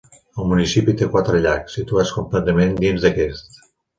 El municipi té quatre llacs situats completament dins d'aquest.